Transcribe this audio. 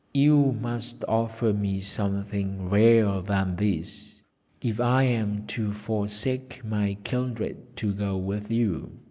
'You must offer me something rarer than these if I am to forsake my kindred to go with you.'